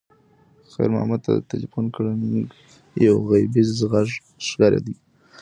خیر محمد ته د تلیفون ګړنګ یو غیبي غږ ښکارېده.